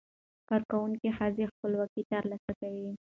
کارکوونکې ښځې خپلواکي ترلاسه کوي.